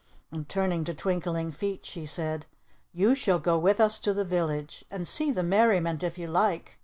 And turning to Twinkling Feet she said, "You shall go with us to the village, and see the merriment if you like.